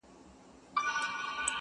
و دې پتنګ زړه ته مي ګرځمه لمبې لټوم,